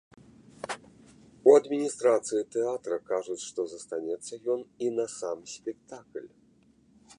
У адміністрацыі тэатра кажуць, што застанецца ён і на сам спектакль.